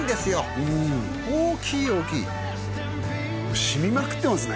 うん大きい大きいしみまくってますね